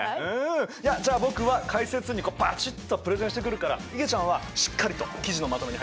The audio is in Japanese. じゃあ僕は解説委員にバチッとプレゼンしてくるからいげちゃんはしっかりと記事のまとめに入ってね。